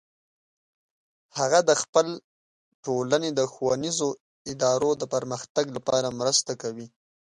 هغه د خپل ټولنې د ښوونیزو ادارو د پرمختګ لپاره مرسته کوي